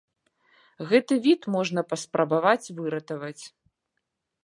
Гэты від можна паспрабаваць выратаваць.